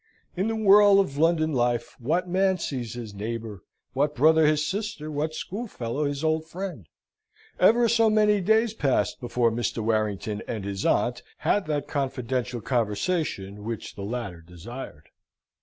In the whirl of London life, what man sees his neighbour, what brother his sister, what schoolfellow his old friend? Ever so many days passed before Mr. Warrington and his aunt had that confidential conversation which the latter desired.